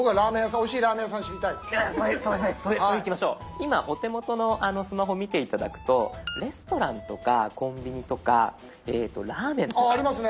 今お手元のスマホ見て頂くとレストランとかコンビニとかラーメンとか。